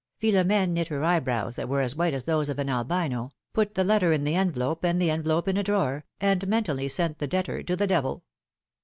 Philom^ne knit her eyebrows that were as white as those of an Albino, put the letter in the envelope, and the envelope in a drawer, and mentally sent the debtor to the devil.